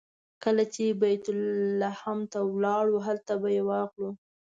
کله چې بیت لحم ته لاړو هلته به یې واخلو.